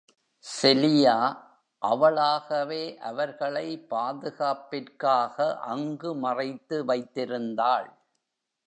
Celia அவளாகவே அவர்களை பாதுகாப்பிற்காக அங்கு மறைத்து வைத்திருந்தாள்.